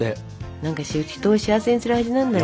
何か人を幸せにする味なんだよ。